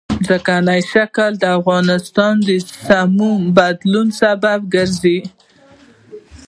ځمکنی شکل د افغانستان د موسم د بدلون سبب کېږي.